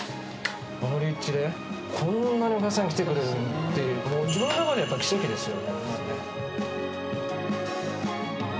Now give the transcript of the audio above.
この立地で、こんなにお客さんが来てくれるなんて、自分の中では奇跡ですよね。